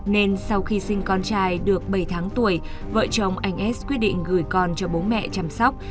nên sau khi sinh con trai được bảy tháng tuổi vợ chồng anh s quyết định gửi con cho bố mẹ chăm sóc